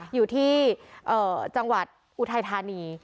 อยู่ที่จังหวัดอุทัยธานี